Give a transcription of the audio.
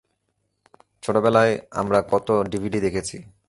ছোটবেলায় আমরা কত ডিভিডি দেখেছি?